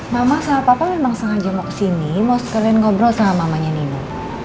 mama sama papa memang sengaja mau kesini mau sering ngobrol sama mamanya nino